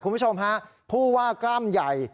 คุณผู้ชมฮะผู้ว่ากล้ามใหญ่